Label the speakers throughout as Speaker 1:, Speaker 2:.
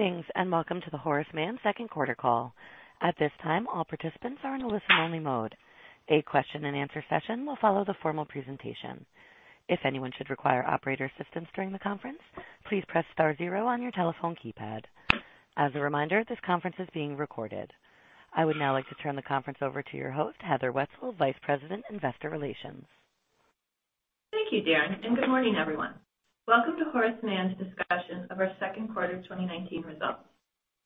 Speaker 1: Greetings, welcome to the Horace Mann second quarter call. At this time, all participants are in a listen-only mode. A question and answer session will follow the formal presentation. If anyone should require operator assistance during the conference, please press star zero on your telephone keypad. As a reminder, this conference is being recorded. I would now like to turn the conference over to your host, Heather Wietzel, Vice President, Investor Relations.
Speaker 2: Thank you, Daryn, good morning, everyone. Welcome to Horace Mann's discussion of our second quarter 2019 results.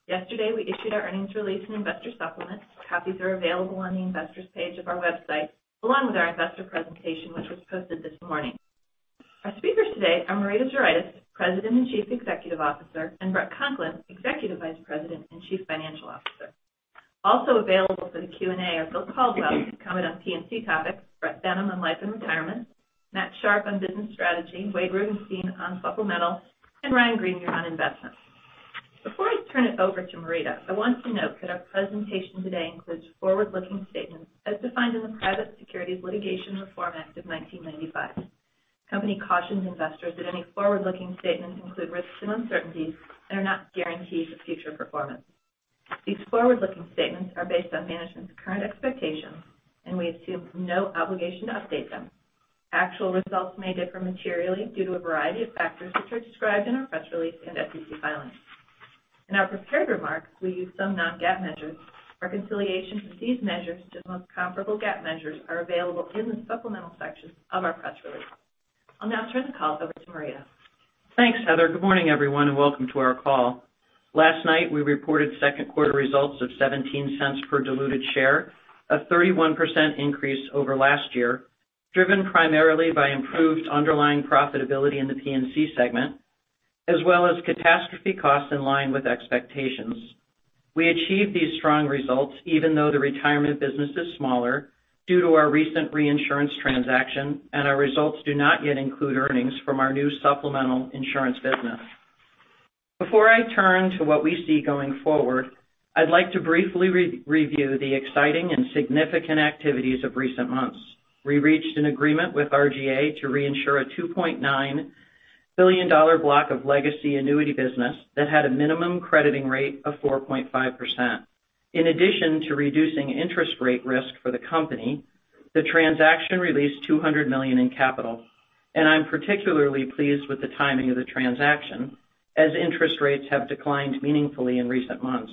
Speaker 2: Yesterday, we issued our earnings release and investor supplement. Copies are available on the investors page of our website, along with our investor presentation, which was posted this morning. Our speakers today are Marita Zuraitis, President and Chief Executive Officer, Bret Conklin, Executive Vice President and Chief Financial Officer. Also available for the Q&A are Bill Caldwell to comment on P&C topics, Bret Benham on life and retirement, Matt Sharpe on business strategy, Wade Rugenstein on supplemental, and Ryan Greenier on investments. Before I turn it over to Marita, I want to note that our presentation today includes forward-looking statements as defined in the Private Securities Litigation Reform Act of 1995. Company cautions investors that any forward-looking statements include risks and uncertainties and are not guarantees of future performance. These forward-looking statements are based on management's current expectations. We assume no obligation to update them. Actual results may differ materially due to a variety of factors, which are described in our press release and SEC filings. In our prepared remarks, we use some non-GAAP measures. Reconciliation for these measures to the most comparable GAAP measures are available in the supplemental section of our press release. I'll now turn the call over to Marita.
Speaker 3: Thanks, Heather. Good morning, everyone, welcome to our call. Last night, we reported second-quarter results of $0.17 per diluted share, a 31% increase over last year, driven primarily by improved underlying profitability in the P&C segment, as well as catastrophe costs in line with expectations. Our results do not yet include earnings from our new supplemental insurance business. Before I turn to what we see going forward, I'd like to briefly review the exciting and significant activities of recent months. We reached an agreement with RGA to reinsure a $2.9 billion block of legacy annuity business that had a minimum crediting rate of 4.5%. In addition to reducing interest rate risk for the company, the transaction released $200 million in capital. I'm particularly pleased with the timing of the transaction, as interest rates have declined meaningfully in recent months.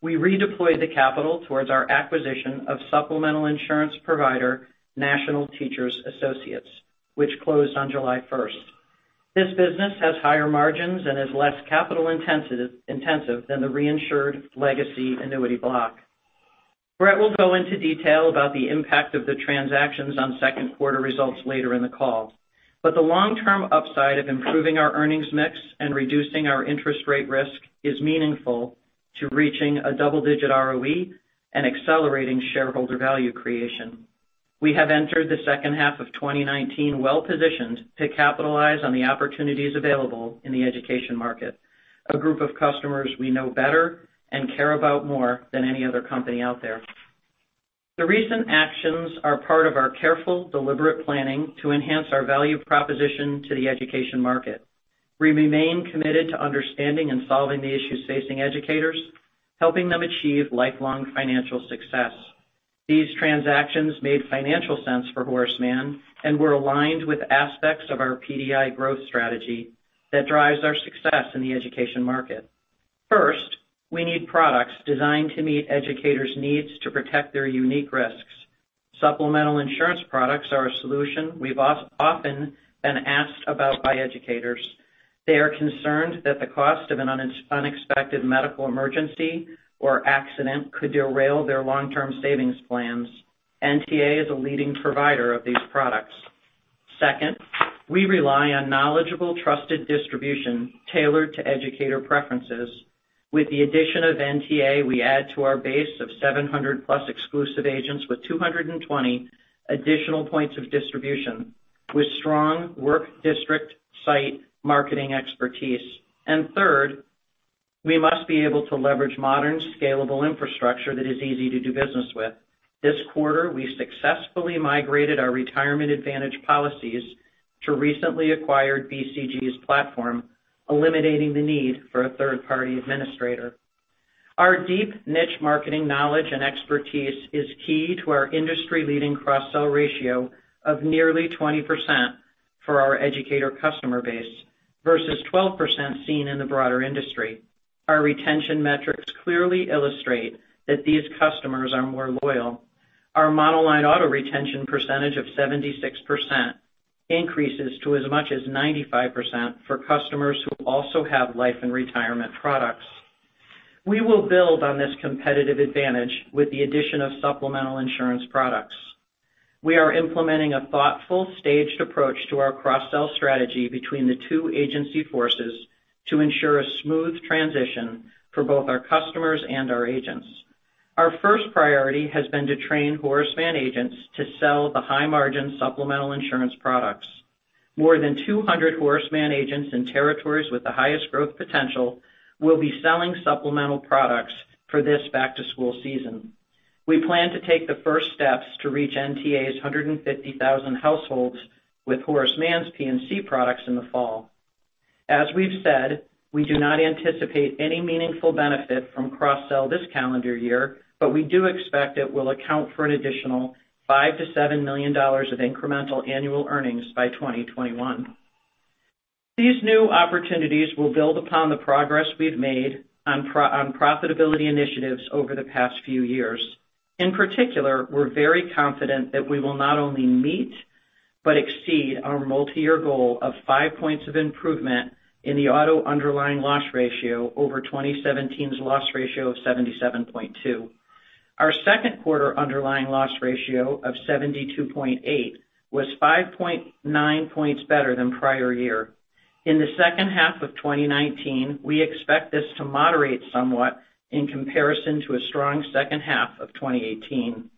Speaker 3: We redeployed the capital towards our acquisition of supplemental insurance provider, National Teachers Associates, which closed on July 1st. This business has higher margins and is less capital-intensive than the reinsured legacy annuity block. Bret will go into detail about the impact of the transactions on second-quarter results later in the call. The long-term upside of improving our earnings mix and reducing our interest rate risk is meaningful to reaching a double-digit ROE and accelerating shareholder value creation. We have entered the second half of 2019 well-positioned to capitalize on the opportunities available in the education market, a group of customers we know better and care about more than any other company out there. The recent actions are part of our careful, deliberate planning to enhance our value proposition to the education market. We remain committed to understanding and solving the issues facing educators, helping them achieve lifelong financial success. These transactions made financial sense for Horace Mann and were aligned with aspects of our PDI growth strategy that drives our success in the education market. First, we need products designed to meet educators' needs to protect their unique risks. Supplemental insurance products are a solution we've often been asked about by educators. They are concerned that the cost of an unexpected medical emergency or accident could derail their long-term savings plans. NTA is a leading provider of these products. Second, we rely on knowledgeable, trusted distribution tailored to educator preferences. With the addition of NTA, we add to our base of 700-plus exclusive agents with 220 additional points of distribution with strong work district site marketing expertise. Third, we must be able to leverage modern, scalable infrastructure that is easy to do business with. This quarter, we successfully migrated our Retirement Advantage policies to recently acquired BCG's platform, eliminating the need for a third-party administrator. Our deep niche marketing knowledge and expertise is key to our industry-leading cross-sell ratio of nearly 20% for our educator customer base versus 12% seen in the broader industry. Our retention metrics clearly illustrate that these customers are more loyal. Our monoline auto retention percentage of 76% increases to as much as 95% for customers who also have life and retirement products. We will build on this competitive advantage with the addition of supplemental insurance products. We are implementing a thoughtful, staged approach to our cross-sell strategy between the two agency forces to ensure a smooth transition for both our customers and our agents. Our first priority has been to train Horace Mann agents to sell the high-margin supplemental insurance products. More than 200 Horace Mann agents in territories with the highest growth potential will be selling supplemental products for this back-to-school season. We plan to take the first steps to reach NTA's 150,000 households with Horace Mann's P&C products in the fall. As we've said, we do not anticipate any meaningful benefit from cross-sell this calendar year, but we do expect it will account for an additional $5 million to $7 million of incremental annual earnings by 2021. These new opportunities will build upon the progress we've made on profitability initiatives over the past few years. In particular, we're very confident that we will not only meet but exceed our multi-year goal of five points of improvement in the auto underlying loss ratio over 2017's loss ratio of 77.2. Our second quarter underlying loss ratio of 72.8 was 5.9 points better than prior year. In the second half of 2019, we expect this to moderate somewhat in comparison to a strong second half of 2018.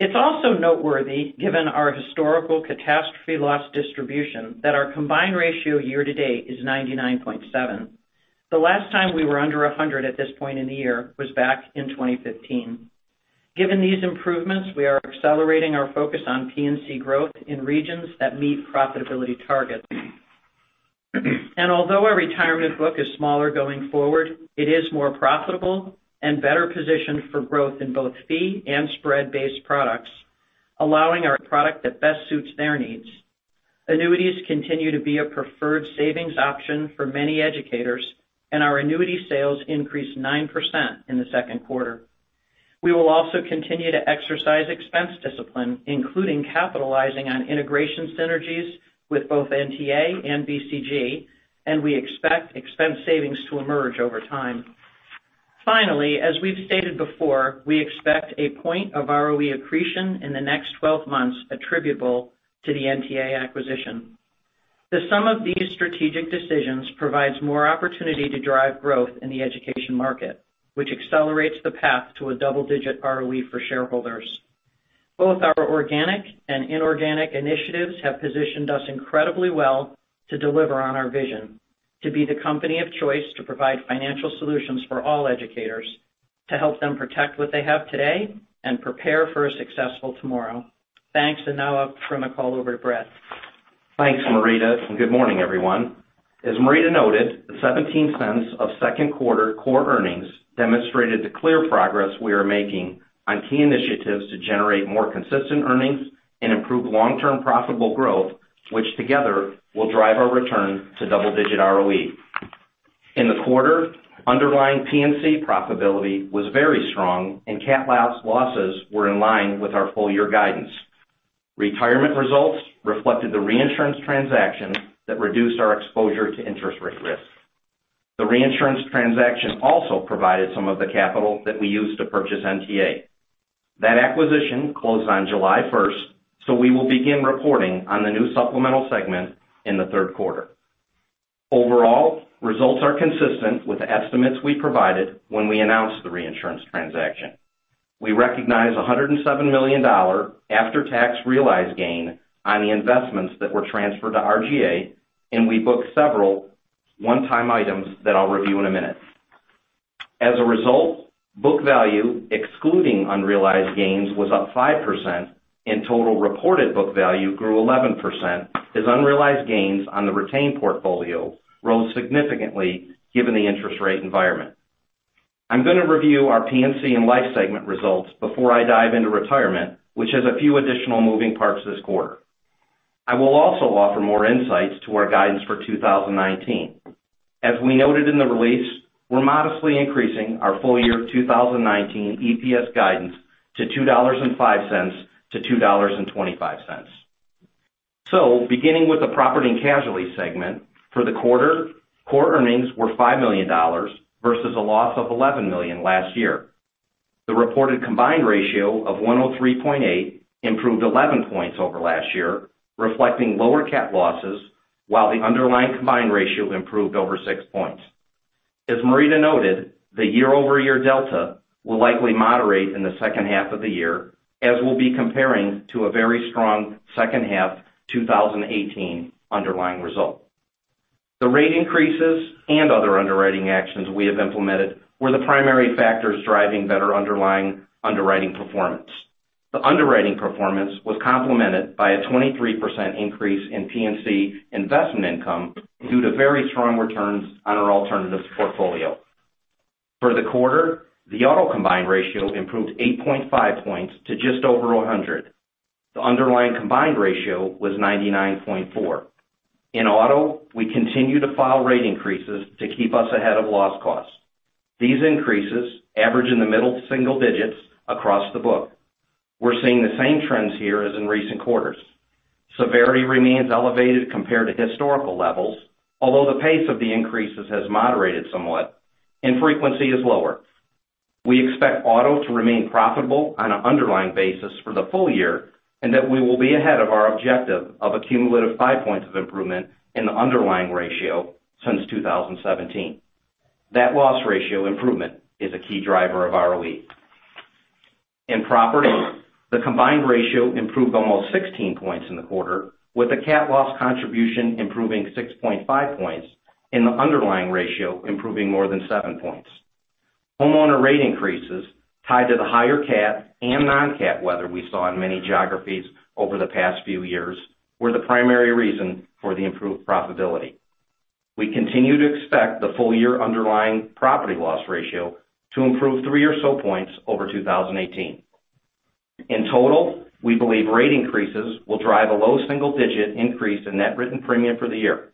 Speaker 3: It's also noteworthy, given our historical catastrophe loss distribution, that our combined ratio year to date is 99.7. The last time we were under 100 at this point in the year was back in 2015. Given these improvements, we are accelerating our focus on P&C growth in regions that meet profitability targets. Although our retirement book is smaller going forward, it is more profitable and better positioned for growth in both fee and spread-based products, allowing our product that best suits their needs. Annuities continue to be a preferred savings option for many educators, and our annuity sales increased 9% in the second quarter. We will also continue to exercise expense discipline, including capitalizing on integration synergies with both NTA and BCG. We expect expense savings to emerge over time. Finally, as we've stated before, we expect a point of ROE accretion in the next 12 months attributable to the NTA acquisition. The sum of these strategic decisions provides more opportunity to drive growth in the education market, which accelerates the path to a double-digit ROE for shareholders. Both our organic and inorganic initiatives have positioned us incredibly well to deliver on our vision, to be the company of choice to provide financial solutions for all educators, to help them protect what they have today and prepare for a successful tomorrow. Thanks, now I'll turn the call over to Bret.
Speaker 4: Thanks, Marita, good morning, everyone. As Marita noted, the $0.17 of second quarter core earnings demonstrated the clear progress we are making on key initiatives to generate more consistent earnings and improve long-term profitable growth, which together will drive our return to double-digit ROE. In the quarter, underlying P&C profitability was very strong and cat losses were in line with our full-year guidance. Retirement results reflected the reinsurance transaction that reduced our exposure to interest rate risk. The reinsurance transaction also provided some of the capital that we used to purchase NTA. That acquisition closed on July 1st, so we will begin reporting on the new supplemental segment in the third quarter. Overall, results are consistent with the estimates we provided when we announced the reinsurance transaction. We recognized $107 million after-tax realized gain on the investments that were transferred to RGA, and we booked several one-time items that I'll review in a minute. As a result, book value, excluding unrealized gains, was up 5%, and total reported book value grew 11% as unrealized gains on the retained portfolio rose significantly given the interest rate environment. I'm going to review our P&C and life segment results before I dive into retirement, which has a few additional moving parts this quarter. I will also offer more insights to our guidance for 2019. As we noted in the release, we're modestly increasing our full-year 2019 EPS guidance to $2.05 to $2.25. Beginning with the property and casualty segment for the quarter, core earnings were $5 million versus a loss of $11 million last year. The reported combined ratio of 103.8 improved 11 points over last year, reflecting lower cat losses, while the underlying combined ratio improved over six points. As Marita noted, the year-over-year delta will likely moderate in the second half of the year, as we'll be comparing to a very strong second half 2018 underlying result. The rate increases and other underwriting actions we have implemented were the primary factors driving better underlying underwriting performance. The underwriting performance was complemented by a 23% increase in P&C investment income due to very strong returns on our alternatives portfolio. For the quarter, the auto combined ratio improved 8.5 points to just over 100. The underlying combined ratio was 99.4. In auto, we continue to file rate increases to keep us ahead of loss costs. These increases average in the middle single digits across the book. We're seeing the same trends here as in recent quarters. Severity remains elevated compared to historical levels, although the pace of the increases has moderated somewhat and frequency is lower. We expect auto to remain profitable on an underlying basis for the full-year, and that we will be ahead of our objective of a cumulative five points of improvement in the underlying ratio since 2017. That loss ratio improvement is a key driver of ROE. In property, the combined ratio improved almost 16 points in the quarter, with the cat loss contribution improving 6.5 points and the underlying ratio improving more than seven points. Homeowner rate increases tied to the higher cat and non-cat weather we saw in many geographies over the past few years were the primary reason for the improved profitability. We continue to expect the full-year underlying property loss ratio to improve three or so points over 2018. In total, we believe rate increases will drive a low single-digit increase in net written premium for the year.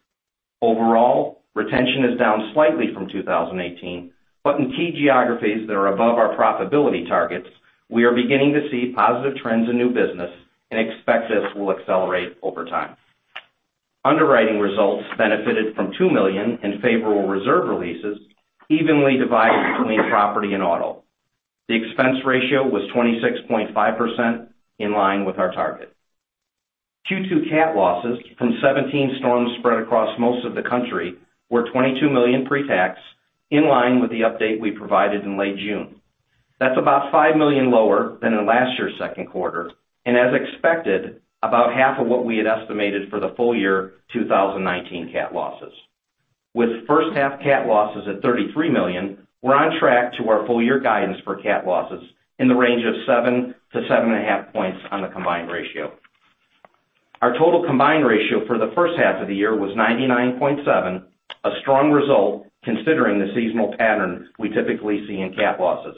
Speaker 4: Overall, retention is down slightly from 2018, but in key geographies that are above our profitability targets, we are beginning to see positive trends in new business and expect this will accelerate over time. Underwriting results benefited from $2 million in favorable reserve releases, evenly divided between property and auto. The expense ratio was 26.5%, in line with our target. Q2 cat losses from 17 storms spread across most of the country were $22 million pre-tax, in line with the update we provided in late June. That's about $5 million lower than in last year's second quarter, as expected, about half of what we had estimated for the full year 2019 cat losses. With first half cat losses at $33 million, we're on track to our full-year guidance for cat losses in the range of seven to seven and a half points on the combined ratio. Our total combined ratio for the first half of the year was 99.7, a strong result considering the seasonal pattern we typically see in cat losses.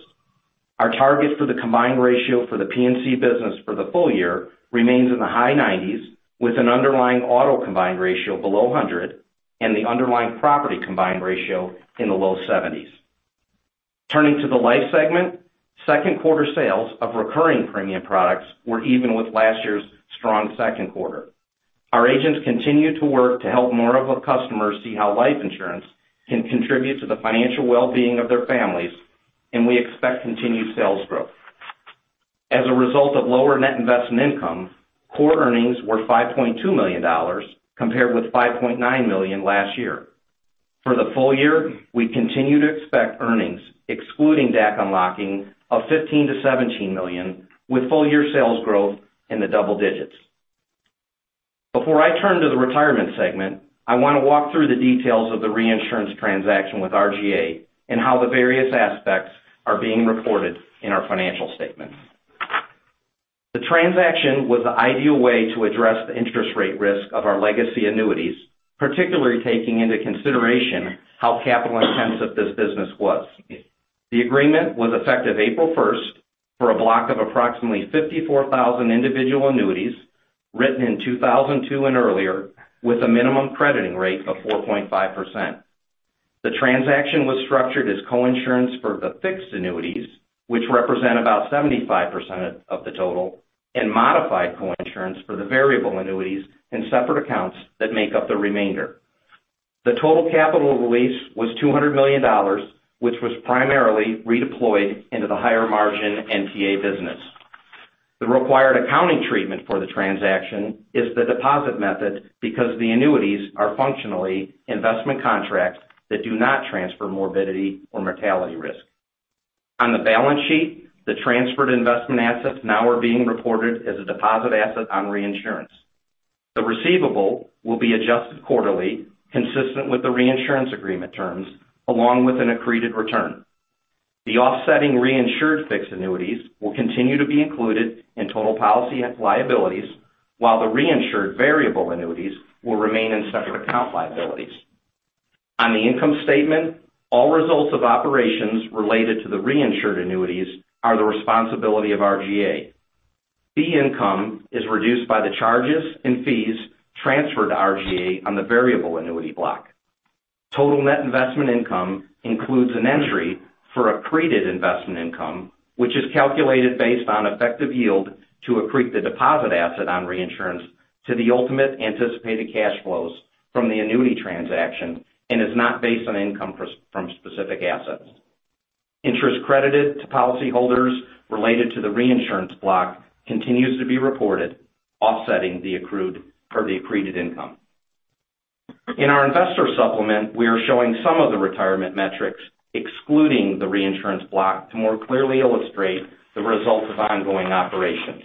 Speaker 4: Our target for the combined ratio for the P&C business for the full year remains in the high 90s, with an underlying auto combined ratio below 100 and the underlying property combined ratio in the low 70s. Turning to the life segment, second quarter sales of recurring premium products were even with last year's strong second quarter. Our agents continue to work to help more of our customers see how life insurance can contribute to the financial well-being of their families, and we expect continued sales growth. As a result of lower net investment income, core earnings were $5.2 million, compared with $5.9 million last year. For the full year, we continue to expect earnings excluding DAC unlocking of $15 million to $17 million, with full-year sales growth in the double digits. Before I turn to the retirement segment, I want to walk through the details of the reinsurance transaction with RGA and how the various aspects are being reported in our financial statements. The transaction was the ideal way to address the interest rate risk of our legacy annuities, particularly taking into consideration how capital-intensive this business was. The agreement was effective April 1st for a block of approximately 54,000 individual annuities written in 2002 and earlier, with a minimum crediting rate of 4.5%. The transaction was structured as coinsurance for the fixed annuities, which represent about 75% of the total, and modified coinsurance for the variable annuities in separate accounts that make up the remainder. The total capital release was $200 million, which was primarily redeployed into the higher margin NTA business. The required accounting treatment for the transaction is the deposit method because the annuities are functionally investment contracts that do not transfer morbidity or mortality risk. On the balance sheet, the transferred investment assets now are being reported as a deposit asset on reinsurance. The receivable will be adjusted quarterly, consistent with the reinsurance agreement terms, along with an accreted return. The offsetting reinsured fixed annuities will continue to be included in total policy liabilities, while the reinsured variable annuities will remain in separate account liabilities. On the income statement, all results of operations related to the reinsured annuities are the responsibility of RGA. Fee income is reduced by the charges and fees transferred to RGA on the variable annuity block. Total net investment income includes an entry for accreted investment income, which is calculated based on effective yield to accrete the deposit asset on reinsurance to the ultimate anticipated cash flows from the annuity transaction and is not based on income from specific assets. Interest credited to policyholders related to the reinsurance block continues to be reported, offsetting the accrued or the accreted income. In our investor supplement, we are showing some of the retirement metrics excluding the reinsurance block to more clearly illustrate the results of ongoing operations.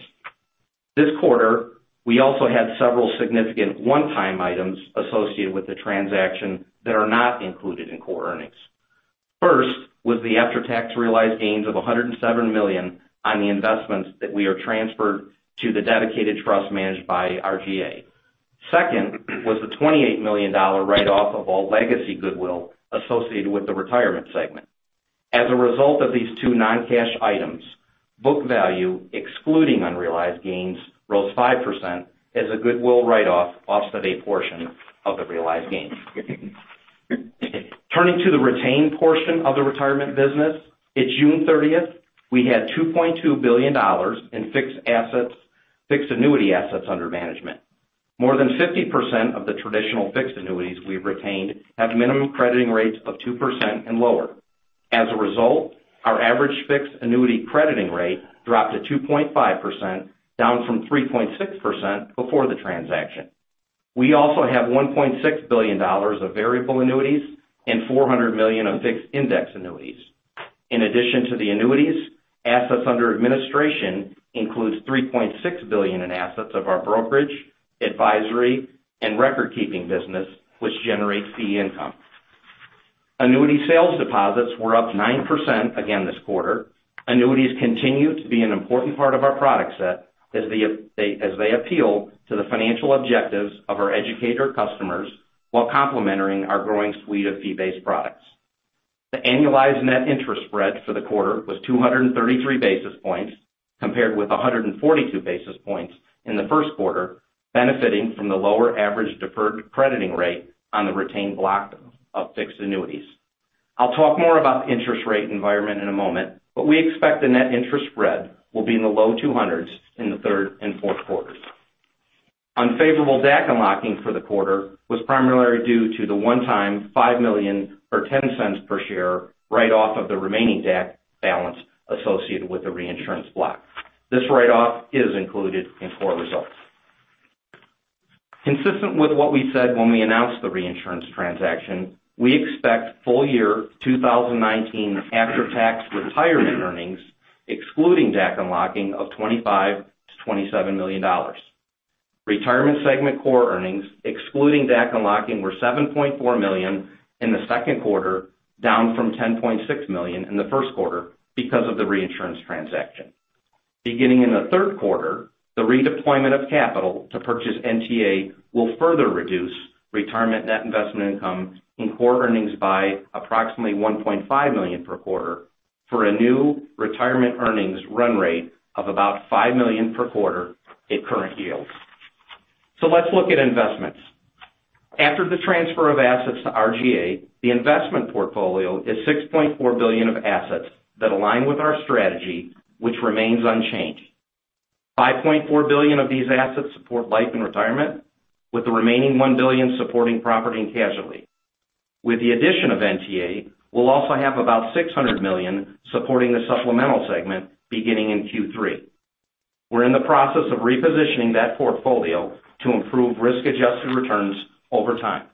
Speaker 4: This quarter, we also had several significant one-time items associated with the transaction that are not included in core earnings. First was the after-tax realized gains of $107 million on the investments that we are transferred to the dedicated trust managed by RGA. Second was the $28 million write-off of all legacy goodwill associated with the retirement segment. As a result of these two non-cash items, book value excluding unrealized gains rose 5% as a goodwill write-off offset a portion of the realized gains. Turning to the retained portion of the retirement business, at June 30th, we had $2.2 billion in fixed annuity assets under management. More than 50% of the traditional fixed annuities we've retained have minimum crediting rates of 2% and lower. As a result, our average fixed annuity crediting rate dropped to 2.5%, down from 3.6% before the transaction. We also have $1.6 billion of variable annuities and $400 million of fixed index annuities. In addition to the annuities, assets under administration includes $3.6 billion in assets of our brokerage, advisory, and record-keeping business, which generates fee income. Annuity sales deposits were up 9% again this quarter. Annuities continue to be an important part of our product set as they appeal to the financial objectives of our educator customers while complementing our growing suite of fee-based products. The annualized net interest spread for the quarter was 233 basis points, compared with 142 basis points in the first quarter, benefiting from the lower average deferred crediting rate on the retained block of fixed annuities. I'll talk more about the interest rate environment in a moment, but we expect the net interest spread will be in the low 200s in the third and fourth quarters. Unfavorable DAC unlocking for the quarter was primarily due to the one-time $5 million or $0.10 per share write-off of the remaining DAC balance associated with the reinsurance block. This write-off is included in core results. Consistent with what we said when we announced the reinsurance transaction, we expect full-year 2019 after-tax retirement earnings, excluding DAC unlocking, of $25 million to $27 million. Retirement segment core earnings, excluding DAC unlocking, were $7.4 million in the second quarter, down from $10.6 million in the first quarter because of the reinsurance transaction. Beginning in the third quarter, the redeployment of capital to purchase NTA will further reduce retirement net investment income in core earnings by approximately $1.5 million per quarter for a new retirement earnings run rate of about $5 million per quarter at current yields. Let's look at investments. After the transfer of assets to RGA, the investment portfolio is $6.4 billion of assets that align with our strategy, which remains unchanged. $5.4 billion of these assets support life and retirement, with the remaining $1 billion supporting P&C. With the addition of NTA, we'll also have about $600 million supporting the supplemental segment beginning in Q3. We're in the process of repositioning that portfolio to improve risk-adjusted returns over time.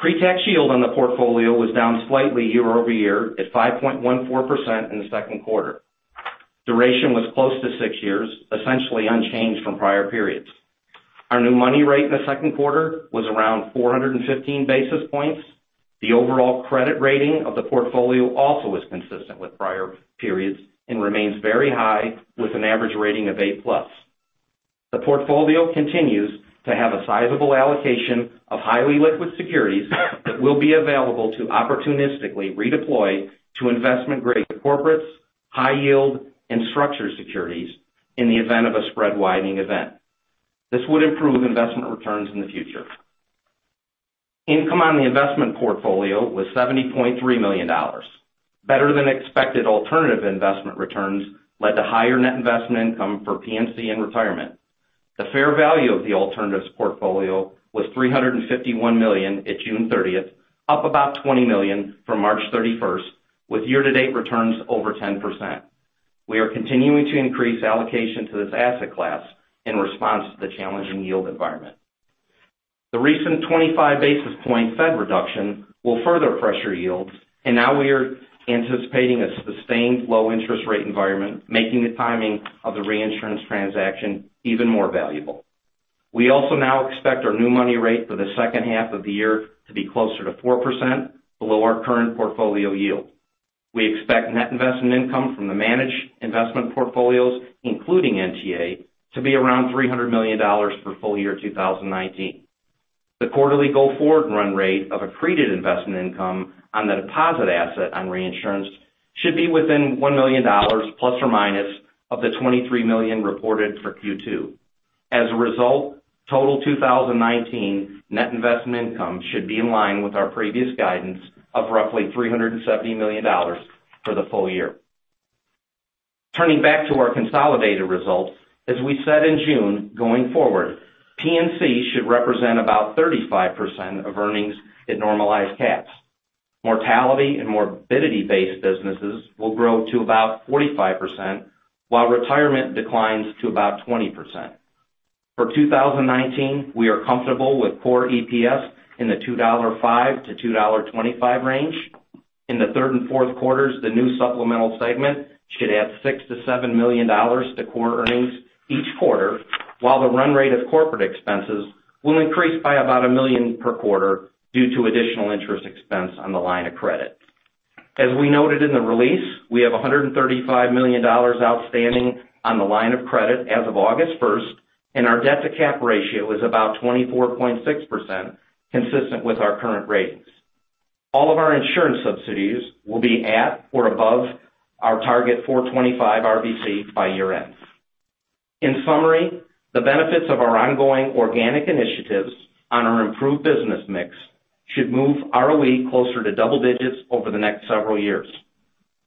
Speaker 4: Pre-tax yield on the portfolio was down slightly year-over-year at 5.14% in the second quarter. Duration was close to six years, essentially unchanged from prior periods. Our new money rate in the second quarter was around 415 basis points. The overall credit rating of the portfolio also is consistent with prior periods and remains very high with an average rating of A-plus. The portfolio continues to have a sizable allocation of highly liquid securities that will be available to opportunistically redeploy to investment-grade corporates, high yield, and structured securities in the event of a spread-widening event. This would improve investment returns in the future. Income on the investment portfolio was $70.3 million. Better-than-expected alternative investment returns led to higher net investment income for P&C and retirement. The fair value of the alternatives portfolio was $351 million at June 30th, up about $20 million from March 31st, with year-to-date returns over 10%. We are continuing to increase allocation to this asset class in response to the challenging yield environment. The recent 25 basis point Fed reduction will further pressure yields. Now we are anticipating a sustained low interest rate environment, making the timing of the reinsurance transaction even more valuable. We also now expect our new money rate for the second half of the year to be closer to 4%, below our current portfolio yield. We expect net investment income from the managed investment portfolios, including NTA, to be around $300 million for full year 2019. The quarterly go-forward run rate of accreted investment income on the deposit asset on reinsurance should be within $1 million, plus or minus, of the $23 million reported for Q2. As a result, total 2019 net investment income should be in line with our previous guidance of roughly $370 million for the full year. Turning back to our consolidated results, as we said in June, going forward, P&C should represent about 35% of earnings at normalized caps. Mortality and morbidity-based businesses will grow to about 45%, while retirement declines to about 20%. For 2019, we are comfortable with core EPS in the $2.05 to $2.25 range. In the third and fourth quarters, the new supplemental segment should add $6 million to $7 million to core earnings each quarter, while the run rate of corporate expenses will increase by about $1 million per quarter due to additional interest expense on the line of credit. As we noted in the release, we have $135 million outstanding on the line of credit as of August 1st. Our debt-to-cap ratio is about 24.6%, consistent with our current ratings. All of our insurance subsidiaries will be at or above our target 425 RBC by year-end. In summary, the benefits of our ongoing organic initiatives on our improved business mix should move ROE closer to double digits over the next several years.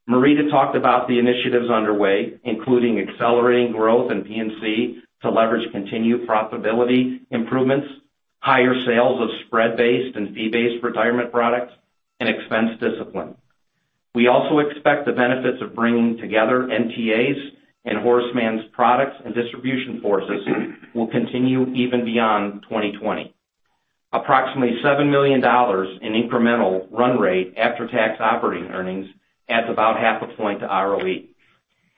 Speaker 4: Marita talked about the initiatives underway, including accelerating growth in P&C to leverage continued profitability improvements, higher sales of spread-based and fee-based retirement products, and expense discipline. We also expect the benefits of bringing together NTA's and Horace Mann's products and distribution forces will continue even beyond 2020. Approximately $7 million in incremental run rate after-tax operating earnings adds about half a point to ROE.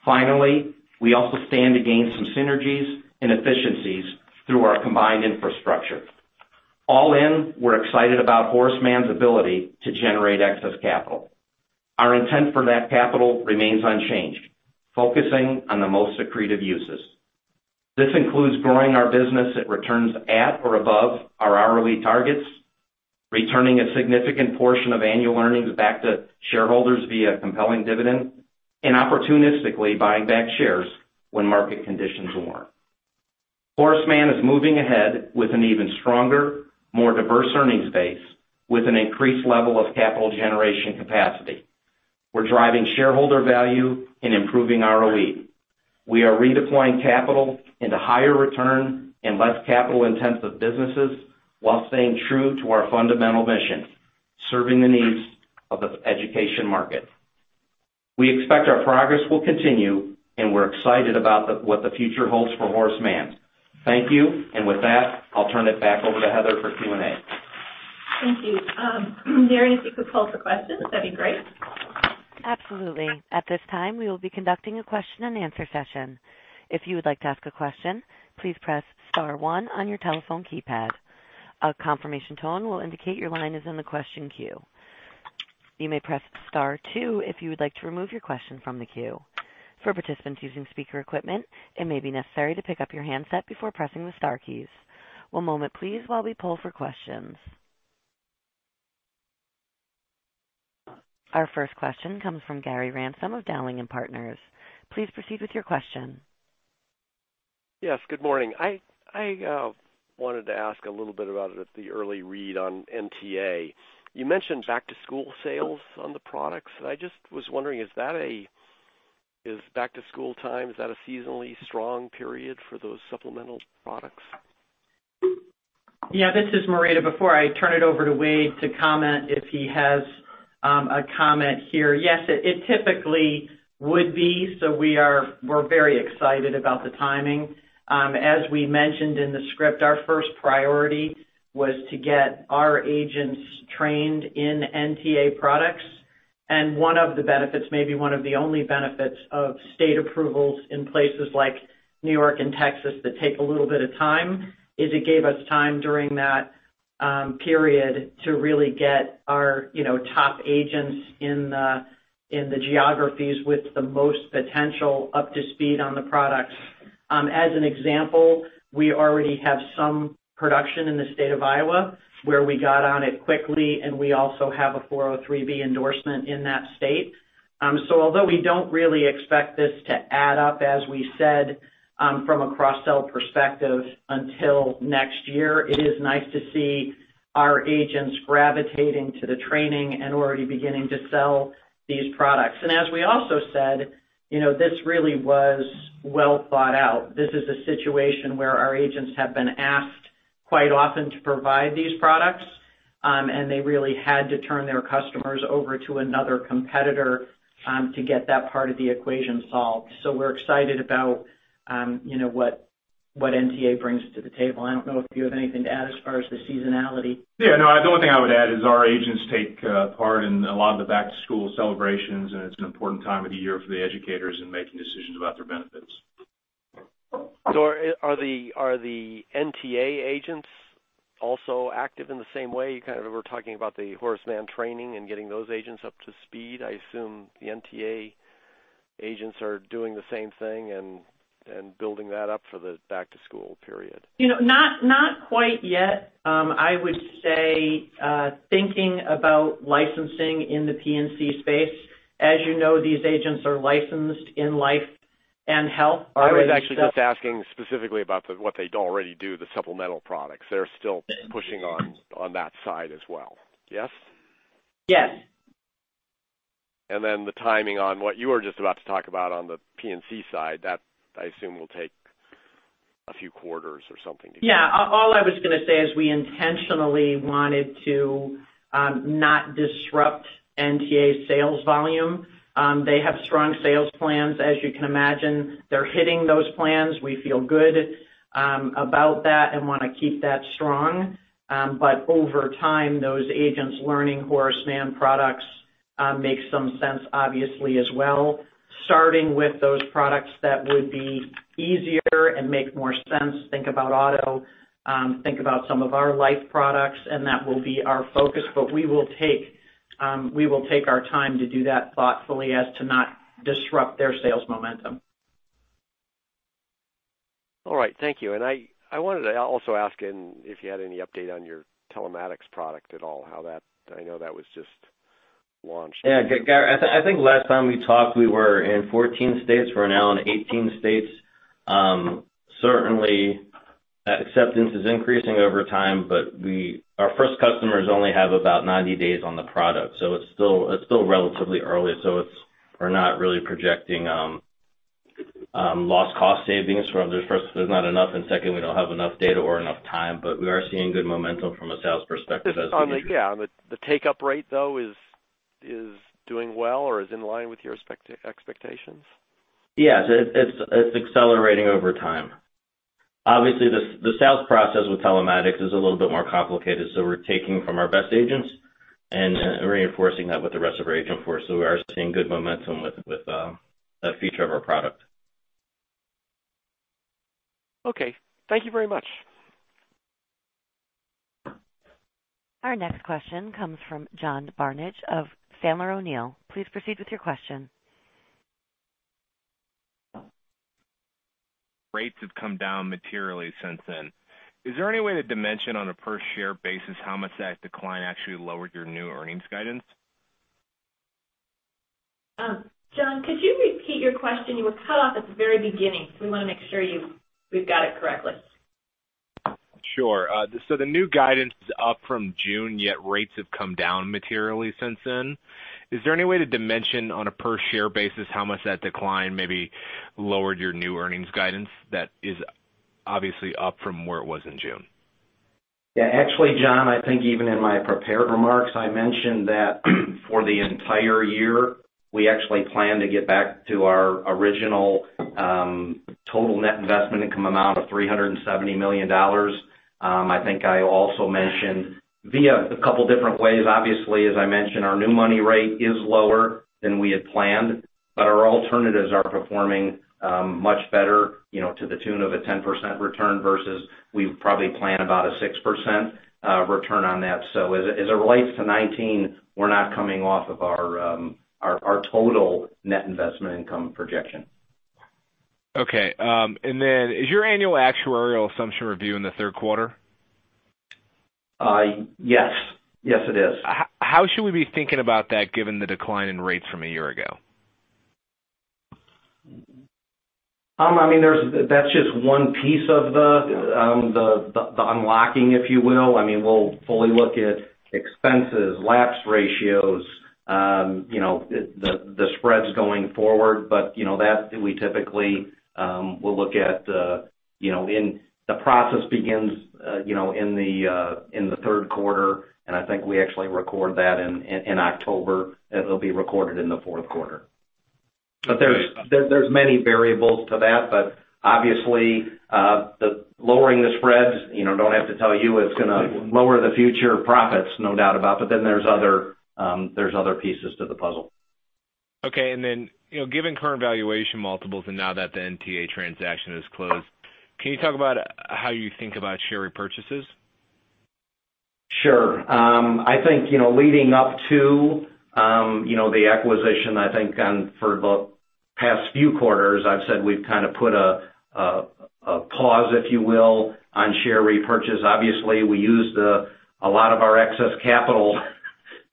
Speaker 4: Finally, we also stand to gain some synergies and efficiencies through our combined infrastructure. All in, we are excited about Horace Mann's ability to generate excess capital. Our intent for that capital remains unchanged, focusing on the most accretive uses. This includes growing our business at returns at or above our hurdle targets, returning a significant portion of annual earnings back to shareholders via compelling dividend, and opportunistically buying back shares when market conditions warrant. Horace Mann is moving ahead with an even stronger, more diverse earnings base with an increased level of capital generation capacity. We're driving shareholder value and improving ROE. We are redeploying capital into higher return and less capital-intensive businesses while staying true to our fundamental mission, serving the needs of the education market. We expect our progress will continue, and we're excited about what the future holds for Horace Mann. Thank you. With that, I'll turn it back over to Heather for Q&A.
Speaker 2: Thank you. Daryn, if you could pull for questions, that'd be great.
Speaker 1: Absolutely. At this time, we will be conducting a question and answer session. If you would like to ask a question, please press star one on your telephone keypad. A confirmation tone will indicate your line is in the question queue. You may press star two if you would like to remove your question from the queue. For participants using speaker equipment, it may be necessary to pick up your handset before pressing the star keys. One moment please while we pull for questions. Our first question comes from Gary Ransom of Dowling & Partners. Please proceed with your question.
Speaker 5: Yes, good morning. I wanted to ask a little bit about the early read on NTA. You mentioned back-to-school sales on the products. I just was wondering, is back-to-school time, is that a seasonally strong period for those supplemental products?
Speaker 3: This is Marita. Before I turn it over to Wade to comment if he has a comment here. Yes, it typically would be. We're very excited about the timing. As we mentioned in the script, our first priority was to get our agents trained in NTA products. One of the benefits, maybe one of the only benefits of state approvals in places like New York and Texas that take a little bit of time, is it gave us time during that period to really get our top agents in the geographies with the most potential up to speed on the products. As an example, we already have some production in the state of Iowa where we got on it quickly. We also have a 403(b) endorsement in that state. Although we don't really expect this to add up, as we said, from a cross-sell perspective until next year, it is nice to see our agents gravitating to the training and already beginning to sell these products. As we also said, this really was well thought out. This is a situation where our agents have been asked quite often to provide these products. They really had to turn their customers over to another competitor to get that part of the equation solved. We're excited about what NTA brings to the table. I don't know if you have anything to add as far as the seasonality.
Speaker 4: No. The only thing I would add is our agents take part in a lot of the back-to-school celebrations. It's an important time of the year for the educators in making decisions about their benefits.
Speaker 5: Are the NTA agents also active in the same way? You kind of were talking about the Horace Mann training and getting those agents up to speed. I assume the NTA agents are doing the same thing and building that up for the back-to-school period.
Speaker 3: Not quite yet. I would say, thinking about licensing in the P&C space. As you know, these agents are licensed in life and health already.
Speaker 5: I was actually just asking specifically about what they already do, the supplemental products. They're still pushing on that side as well. Yes?
Speaker 3: Yes.
Speaker 5: The timing on what you were just about to talk about on the P&C side, that I assume will take a few quarters or something.
Speaker 3: Yeah. All I was going to say is we intentionally wanted to not disrupt NTA's sales volume. They have strong sales plans. As you can imagine, they're hitting those plans. We feel good about that and want to keep that strong. Over time, those agents learning Horace Mann products makes some sense obviously as well, starting with those products that would be easier and make more sense. Think about auto, think about some of our life products. That will be our focus. We will take our time to do that thoughtfully as to not disrupt their sales momentum.
Speaker 5: All right. Thank you. I wanted to also ask if you had any update on your telematics product at all. I know that was just launched.
Speaker 4: Yeah. Gary, I think last time we talked, we were in 14 states. We're now in 18 states. Certainly, acceptance is increasing over time. Our first customers only have about 90 days on the product, so it's still relatively early. We're not really projecting Loss cost savings from, first, there's not enough, and second, we don't have enough data or enough time. We are seeing good momentum from a sales perspective.
Speaker 5: Yeah. The take-up rate, though, is doing well or is in line with your expectations?
Speaker 4: Yes. It's accelerating over time. Obviously, the sales process with telematics is a little bit more complicated, so we're taking from our best agents and reinforcing that with the rest of our agent force. We are seeing good momentum with that feature of our product.
Speaker 5: Okay. Thank you very much.
Speaker 1: Our next question comes from John Barnidge of Sandler O'Neill. Please proceed with your question.
Speaker 6: Rates have come down materially since then. Is there any way to dimension on a per share basis how much that decline actually lowered your new earnings guidance?
Speaker 2: John, could you repeat your question? You were cut off at the very beginning, so we want to make sure we've got it correctly.
Speaker 6: Sure. The new guidance is up from June, yet rates have come down materially since then. Is there any way to dimension on a per share basis how much that decline maybe lowered your new earnings guidance that is obviously up from where it was in June?
Speaker 4: Yeah. Actually, John, I think even in my prepared remarks, I mentioned that for the entire year, we actually plan to get back to our original total net investment income amount of $370 million. I think I also mentioned via a couple different ways. Obviously, as I mentioned, our new money rate is lower than we had planned, but our alternatives are performing much better to the tune of a 10% return versus we probably plan about a 6% return on that. As it relates to 2019, we're not coming off of our total net investment income projection.
Speaker 6: Okay. Is your annual actuarial assumption review in the third quarter?
Speaker 4: Yes. Yes, it is.
Speaker 6: How should we be thinking about that given the decline in rates from a year ago?
Speaker 4: That's just one piece of the unlocking, if you will. We'll fully look at expenses, lapse ratios, the spreads going forward. Typically, we'll look at the process begins in the third quarter, and I think we actually record that in October, and it'll be recorded in the fourth quarter. There's many variables to that. Obviously, lowering the spreads, don't have to tell you it's going to lower the future profits, no doubt about it, then there's other pieces to the puzzle.
Speaker 6: Okay. Given current valuation multiples and now that the NTA transaction is closed, can you talk about how you think about share repurchases?
Speaker 4: Sure. I think, leading up to the acquisition, I think for the past few quarters, I've said we've kind of put a pause, if you will, on share repurchase. Obviously, we used a lot of our excess capital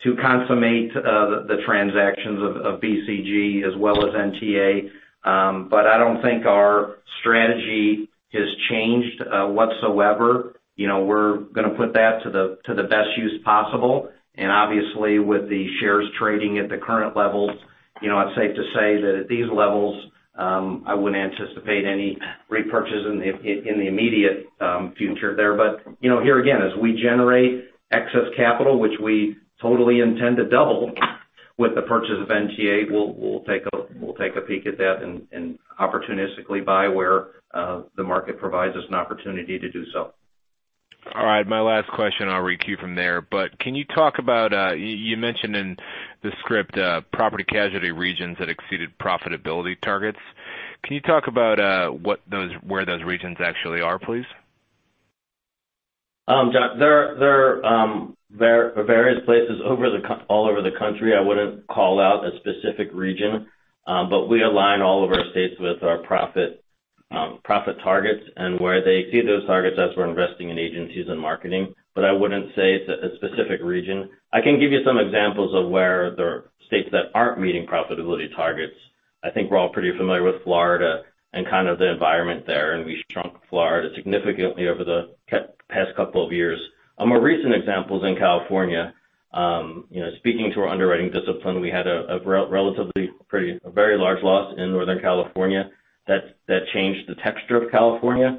Speaker 4: to consummate the transactions of BCG as well as NTA. I don't think our strategy has changed whatsoever. We're going to put that to the best use possible, and obviously, with the shares trading at the current levels, it's safe to say that at these levels, I wouldn't anticipate any repurchase in the immediate future there. Here again, as we generate excess capital, which we totally intend to double with the purchase of NTA, we'll take a peek at that and opportunistically buy where the market provides us an opportunity to do so.
Speaker 6: All right. My last question, I'll re-queue from there, you mentioned in the script Property Casualty regions that exceeded profitability targets. Can you talk about where those regions actually are, please?
Speaker 4: John, they're various places all over the country. I wouldn't call out a specific region. We align all of our states with our profit targets and where they exceed those targets as we're investing in agencies and marketing. I wouldn't say it's a specific region. I can give you some examples of where there are states that aren't meeting profitability targets. I think we're all pretty familiar with Florida and kind of the environment there, and we shrunk Florida significantly over the past couple of years. A more recent example is in California. Speaking to our underwriting discipline, we had a relatively very large loss in Northern California that changed the texture of California.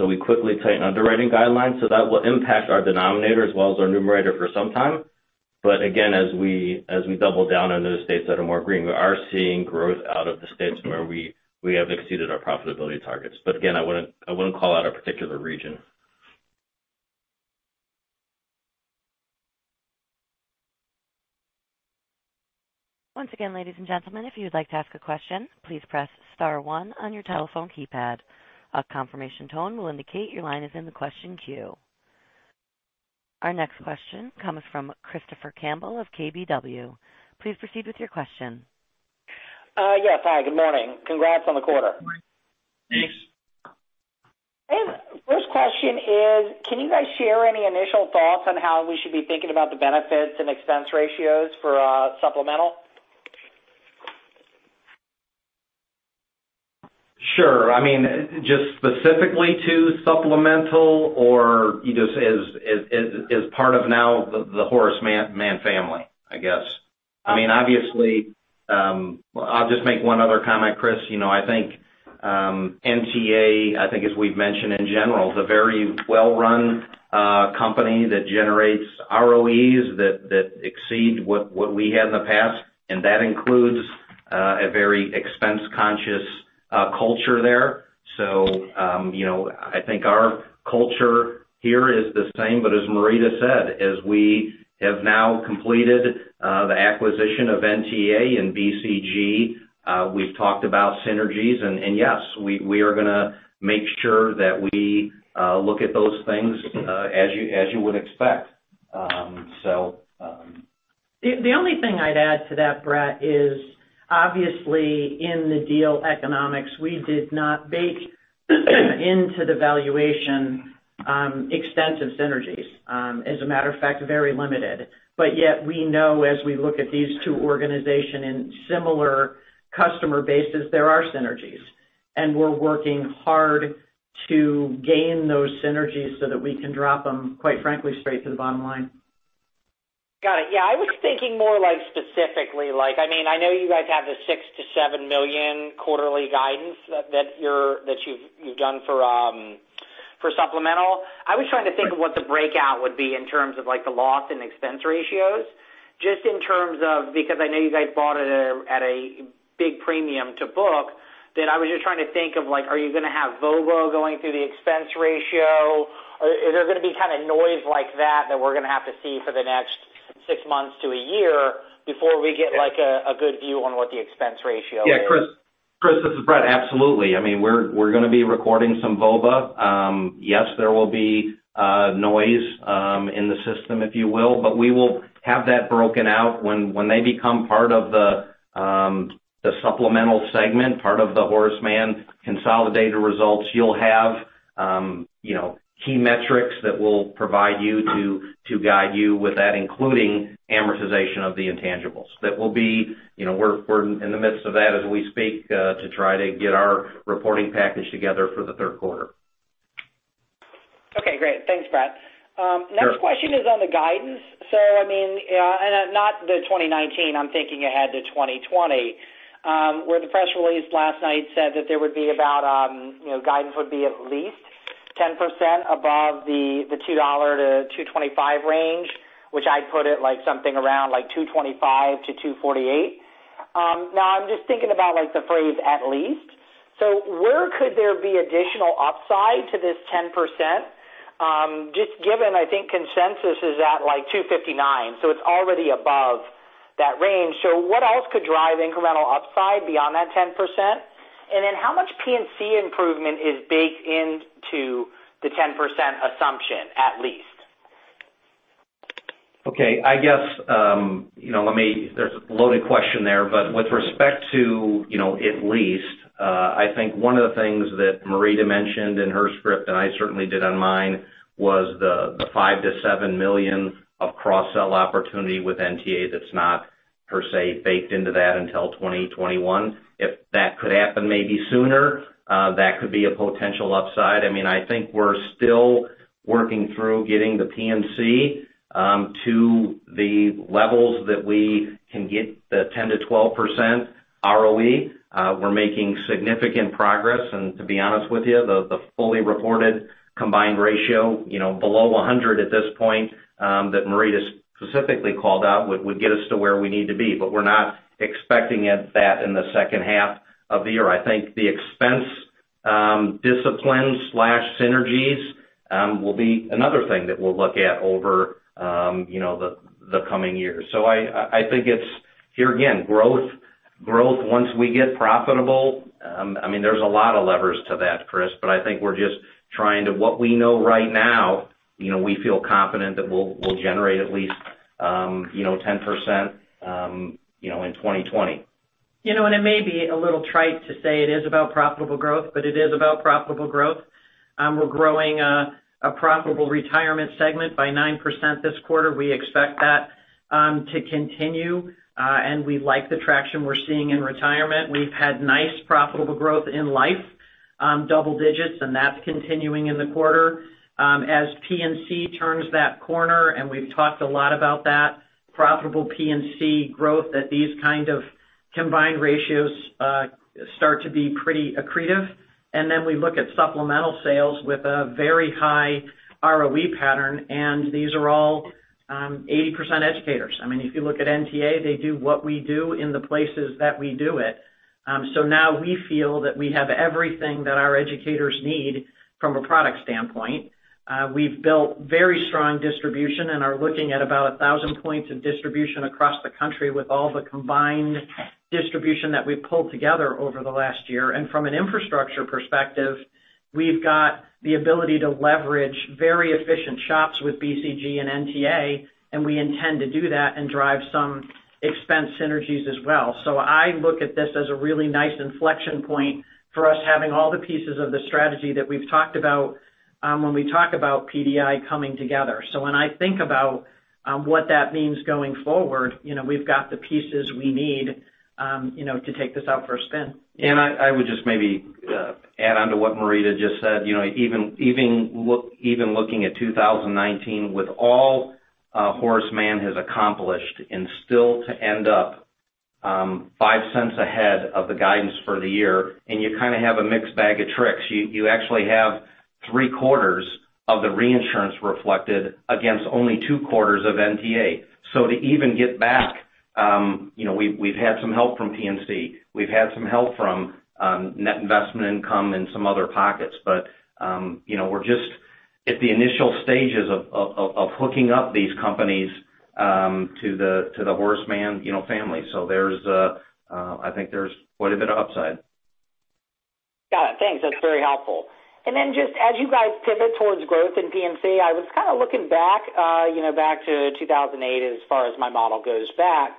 Speaker 4: We quickly tightened underwriting guidelines. That will impact our denominator as well as our numerator for some time. Again, as we double down on those states that are more green, we are seeing growth out of the states where we have exceeded our profitability targets. Again, I wouldn't call out a particular region.
Speaker 1: Once again, ladies and gentlemen, if you'd like to ask a question, please press star one on your telephone keypad. A confirmation tone will indicate your line is in the question queue. Our next question comes from Christopher Campbell of KBW. Please proceed with your question.
Speaker 7: Yes. Hi, good morning. Congrats on the quarter.
Speaker 4: Thanks.
Speaker 7: First question is, can you guys share any initial thoughts on how we should be thinking about the benefits and expense ratios for supplemental?
Speaker 4: Sure. Just specifically to supplemental, or as part of now the Horace Mann family, I guess? I'll just make one other comment, Chris. I think NTA, I think as we've mentioned in general, is a very well-run company that generates ROEs that exceed what we had in the past, and that includes a very expense-conscious culture there. I think our culture here is the same. As Marita said, as we have now completed the acquisition of NTA and BCG, we've talked about synergies, and yes, we are going to make sure that we look at those things as you would expect.
Speaker 3: The only thing I'd add to that, Bret, is obviously in the deal economics, we did not bake into the valuation extensive synergies, as a matter of fact, very limited. Yet we know as we look at these two organizations in similar customer bases, there are synergies, and we're working hard to gain those synergies so that we can drop them, quite frankly, straight to the bottom line.
Speaker 7: Got it. Yeah, I was thinking more specifically. I know you guys have the $6 million-$7 million quarterly guidance that you've done for supplemental. I was trying to think of what the breakout would be in terms of the loss and expense ratios, just in terms of, because I know you guys bought it at a big premium to book, that I was just trying to think of, are you going to have VOBA going through the expense ratio? Is there going to be noise like that that we're going to have to see for the next six months to a year before we get a good view on what the expense ratio is?
Speaker 4: Yeah, Chris, this is Bret. Absolutely. We're going to be recording some VOBA. Yes, there will be noise in the system, if you will, but we will have that broken out when they become part of the supplemental segment, part of the Horace Mann consolidated results. You'll have key metrics that we'll provide you to guide you with that, including amortization of the intangibles. We're in the midst of that as we speak, to try to get our reporting package together for the third quarter.
Speaker 7: Okay, great. Thanks, Bret.
Speaker 4: Sure.
Speaker 7: Next question is on the guidance. Not the 2019, I'm thinking ahead to 2020, where the press release last night said that guidance would be at least 10% above the $2-$2.25 range, which I'd put at something around $2.25-$2.48. I'm just thinking about the phrase "at least." Where could there be additional upside to this 10%, just given, I think consensus is at $2.59, so it's already above that range. What else could drive incremental upside beyond that 10%? How much P&C improvement is baked into the 10% assumption, at least?
Speaker 4: Okay. There's a loaded question there, with respect to at least, I think one of the things that Marita Zuraitis mentioned in her script, and I certainly did on mine, was the $5 million-$7 million of cross-sell opportunity with NTA that's not per se baked into that until 2021. If that could happen maybe sooner, that could be a potential upside. I think we're still working through getting the P&C to the levels that we can get the 10%-12% ROE. We're making significant progress, and to be honest with you, the fully reported combined ratio below 100 at this point, that Marita Zuraitis specifically called out would get us to where we need to be. We're not expecting that in the second half of the year. I think the expense discipline/synergies will be another thing that we'll look at over the coming years. I think it's, here again, growth once we get profitable. There's a lot of levers to that, Christopher Campbell, I think we're just trying to, what we know right now, we feel confident that we'll generate at least 10% in 2020.
Speaker 3: It may be a little trite to say it is about profitable growth, it is about profitable growth. We're growing a profitable retirement segment by 9% this quarter. We expect that to continue, and we like the traction we're seeing in retirement. We've had nice profitable growth in life, double digits, and that's continuing in the quarter. As P&C turns that corner, and we've talked a lot about that profitable P&C growth, these kind of combined ratios start to be pretty accretive. Then we look at supplemental sales with a very high ROE pattern, and these are all 80% educators. If you look at NTA, they do what we do in the places that we do it. Now we feel that we have everything that our educators need from a product standpoint. We've built very strong distribution and are looking at about 1,000 points of distribution across the country with all the combined distribution that we've pulled together over the last year. From an infrastructure perspective, we've got the ability to leverage very efficient shops with BCG and NTA, and we intend to do that and drive some expense synergies as well. I look at this as a really nice inflection point for us having all the pieces of the strategy that we've talked about when we talk about PDI coming together. When I think about what that means going forward, we've got the pieces we need to take this out for a spin.
Speaker 4: I would just maybe add on to what Marita just said. Even looking at 2019, with all Horace Mann has accomplished and still to end up $0.05 ahead of the guidance for the year, you kind of have a mixed bag of tricks. You actually have three quarters of the reinsurance reflected against only two quarters of NTA. To even get back, we've had some help from P&C. We've had some help from net investment income and some other pockets. We're just at the initial stages of hooking up these companies to the Horace Mann family. I think there's quite a bit of upside.
Speaker 7: Got it. Thanks. That's very helpful. Just as you guys pivot towards growth in P&C, I was kind of looking back to 2008, as far as my model goes back.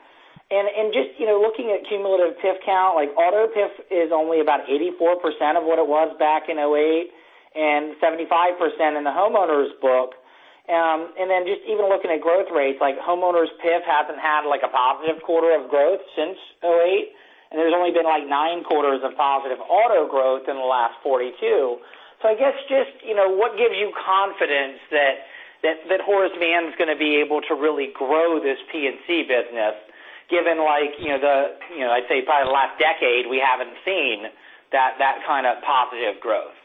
Speaker 7: Just looking at cumulative PIF count, like auto PIF is only about 84% of what it was back in 2008, and 75% in the homeowners book. Just even looking at growth rates, like homeowners PIF hasn't had a positive quarter of growth since 2008, and there's only been like nine quarters of positive auto growth in the last 42. I guess just what gives you confidence that Horace Mann's going to be able to really grow this P&C business, given like, I'd say probably the last decade, we haven't seen that kind of positive growth?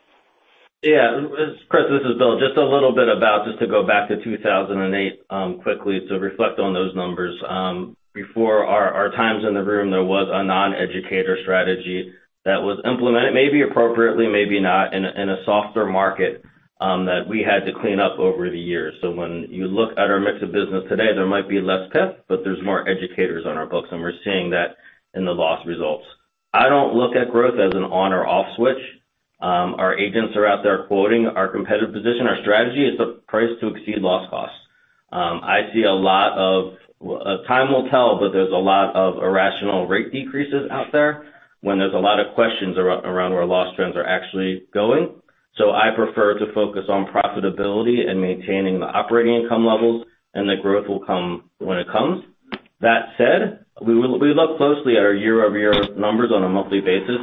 Speaker 4: Yes, Chris, this is Bill. Just to go back to 2008 quickly to reflect on those numbers. Before our times in the room, there was a non-educator strategy that was implemented, maybe appropriately, maybe not, in a softer market that we had to clean up over the years. When you look at our mix of business today, there might be less PIF, but there's more educators on our books, and we're seeing that in the loss results. I don't look at growth as an on or off switch. Our agents are out there quoting our competitive position. Our strategy is to price to exceed loss costs. Time will tell, but there's a lot of irrational rate decreases out there when there's a lot of questions around where loss trends are actually going. I prefer to focus on profitability and maintaining the operating income levels, and the growth will come when it comes. That said, we look closely at our year-over-year numbers on a monthly basis.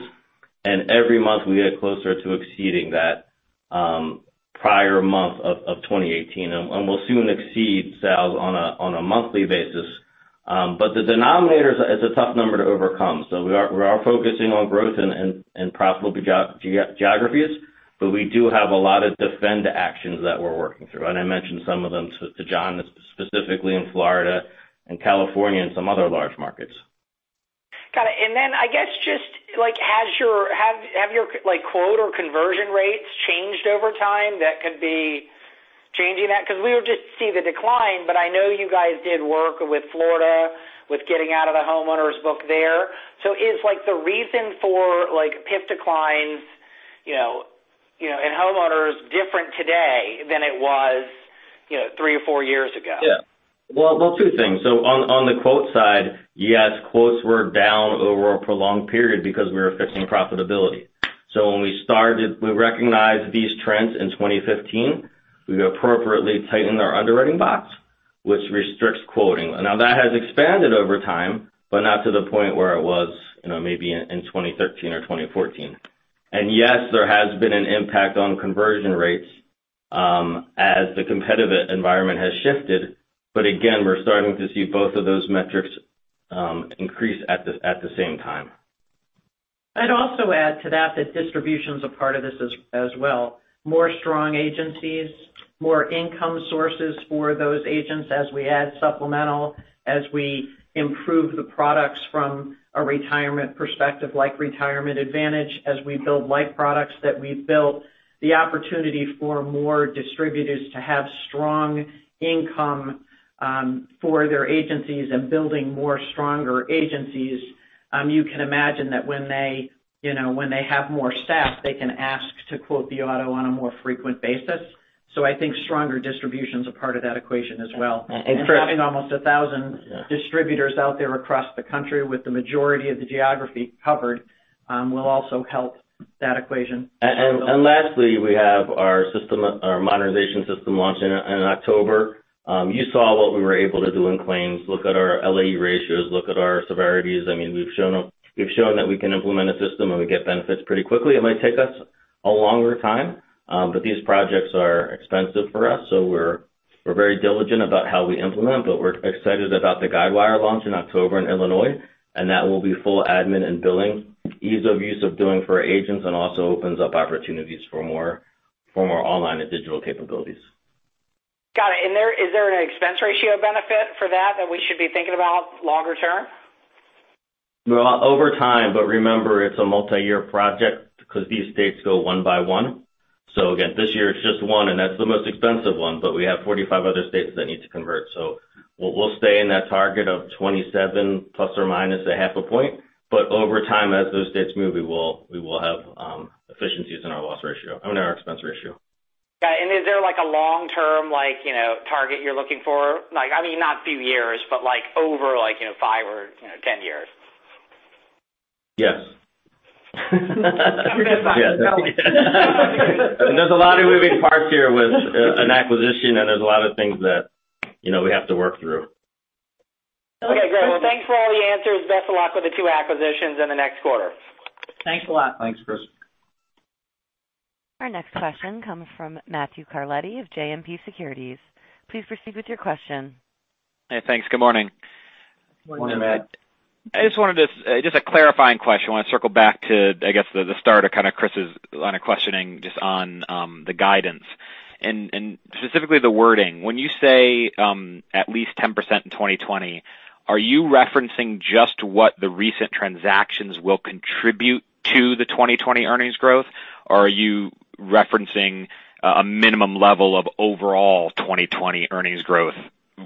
Speaker 4: Every month we get closer to exceeding that prior month of 2018. We'll soon exceed sales on a monthly basis. The denominator is a tough number to overcome. We are focusing on growth in profitable geographies, but we do have a lot of defend actions that we're working through. I mentioned some of them to John, specifically in Florida and California and some other large markets.
Speaker 7: Got it. I guess just, have your quote or conversion rates changed over time that could be changing that? Because we would just see the decline, but I know you guys did work with Florida with getting out of the homeowners book there. Is the reason for PIF declines in homeowners different today than it was three or four years ago?
Speaker 4: Well, two things. On the quote side, yes, quotes were down over a prolonged period because we were fixing profitability. When we started, we recognized these trends in 2015. We appropriately tightened our underwriting box, which restricts quoting. Now, that has expanded over time, but not to the point where it was maybe in 2013 or 2014. Yes, there has been an impact on conversion rates as the competitive environment has shifted. Again, we're starting to see both of those metrics increase at the same time.
Speaker 3: I'd also add to that distribution's a part of this as well. More strong agencies, more income sources for those agents as we add supplemental, as we improve the products from a retirement perspective like Retirement Advantage, as we build life products that we've built, the opportunity for more distributors to have strong income for their agencies and building more stronger agencies. You can imagine that when they have more staff, they can ask to quote the auto on a more frequent basis. I think stronger distribution's a part of that equation as well. Chris- Having almost 1,000 distributors out there across the country with the majority of the geography covered will also help that equation.
Speaker 4: Lastly, we have our modernization system launching in October. You saw what we were able to do in claims. Look at our LAE ratios, look at our severities. We've shown that we can implement a system, and we get benefits pretty quickly. It might take us a longer time, but these projects are expensive for us, so we're very diligent about how we implement, but we're excited about the Guidewire launch in October in Illinois, and that will be full admin and billing. Ease of use of doing for agents and also opens up opportunities for more online and digital capabilities.
Speaker 7: Got it. Is there an expense ratio benefit for that we should be thinking about longer term?
Speaker 4: Well, over time, remember, it's a multi-year project because these states go one by one. Again, this year it's just one, and that's the most expensive one, but we have 45 other states that need to convert. We'll stay in that target of 27 plus or minus a half a point. Over time, as those states move, we will have efficiencies in our expense ratio.
Speaker 7: Got it. Is there a long-term target you're looking for? I mean, not few years, but over five or 10 years?
Speaker 4: Yes.
Speaker 7: I'm going to buy Intel.
Speaker 4: There's a lot of moving parts here with an acquisition, and there's a lot of things that we have to work through.
Speaker 7: Okay, great. Well, thanks for all the answers. Best of luck with the two acquisitions in the next quarter.
Speaker 3: Thanks a lot.
Speaker 4: Thanks, Chris.
Speaker 1: Our next question comes from Matthew Carletti of JMP Securities. Please proceed with your question.
Speaker 8: Hey, thanks. Good morning.
Speaker 9: Morning, Matt.
Speaker 8: I just wanted to, just a clarifying question. Want to circle back to, I guess, the start of kind of Chris's line of questioning just on the guidance, and specifically the wording. When you say at least 10% in 2020, are you referencing just what the recent transactions will contribute to the 2020 earnings growth? Or are you referencing a minimum level of overall 2020 earnings growth,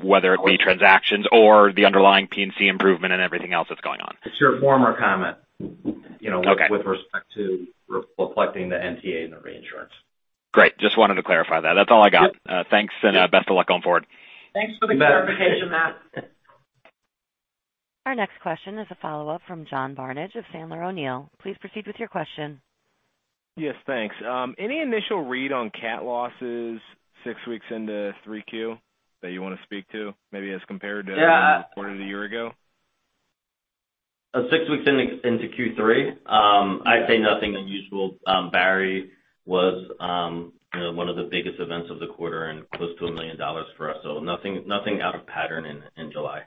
Speaker 8: whether it be transactions or the underlying P&C improvement and everything else that's going on?
Speaker 4: It's your former comment- Okay with respect to reflecting the NTA and the reinsurance.
Speaker 8: Great. Just wanted to clarify that. That's all I got. Thanks, and best of luck going forward.
Speaker 4: You bet.
Speaker 3: Thanks for the clarification, Matt.
Speaker 1: Our next question is a follow-up from John Barnidge of Sandler O'Neill. Please proceed with your question.
Speaker 6: Yes, thanks. Any initial read on cat losses six weeks into 3Q that you want to speak to?
Speaker 4: Yeah.
Speaker 6: a quarter of the year ago?
Speaker 4: Six weeks into Q3? Yeah. I'd say nothing unusual. Barry was one of the biggest events of the quarter and close to $1 million for us. Nothing out of pattern in July.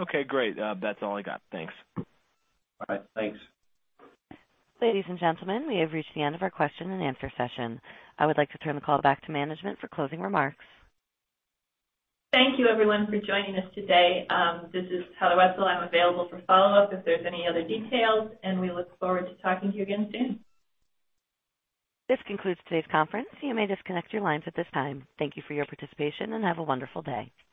Speaker 6: Okay, great. That's all I got. Thanks.
Speaker 4: All right, thanks.
Speaker 1: Ladies and gentlemen, we have reached the end of our question and answer session. I would like to turn the call back to management for closing remarks.
Speaker 2: Thank you everyone for joining us today. This is Heather Wietzel. I'm available for follow-up if there's any other details, and we look forward to talking to you again soon. This concludes today's conference. You may disconnect your lines at this time. Thank you for your participation, and have a wonderful day.